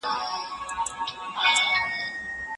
بېګناه چي د ګناه په تهمت وژني